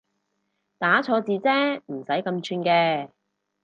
打錯字啫唔使咁串嘅